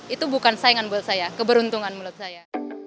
itu bukan saingan buat saya keberuntungan menurut saya